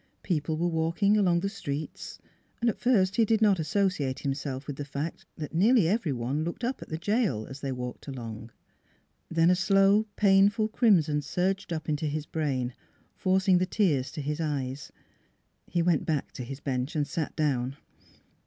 People were walking along the streets. At first he did not associate himself with the fact that nearly every one looked up at the jail as they walked along. Then a slow, painful crimson surged up into his brain, forcing the tears to his eyes. He went back to his bench and sat down.